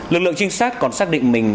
lực lượng trinh sát còn xác định mình